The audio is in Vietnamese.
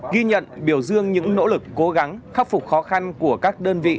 ghi nhận biểu dương những nỗ lực cố gắng khắc phục khó khăn của các đơn vị